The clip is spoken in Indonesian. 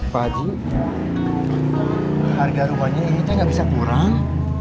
pak haji harga rumahnya ini kan nggak bisa kurang